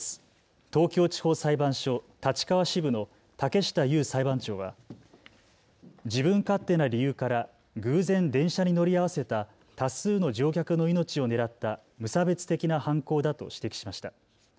東京地方裁判所立川支部の竹下雄裁判長は自分勝手な理由から偶然電車に乗り合わせた多数の乗客の命を狙った無差別的な犯行だと指摘しました。